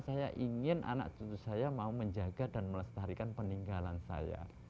saya ingin anak cucu saya mau menjaga dan melestarikan peninggalan saya